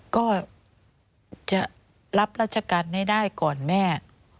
ก็จะรับราชการให้ได้ก่อนแม่